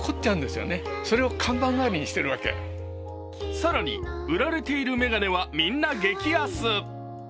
更に売られている眼鏡はみんな激安。